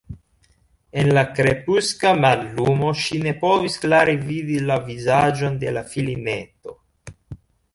En la krepuska mallumo ŝi ne povis klare vidi la vizaĝon de la filineto.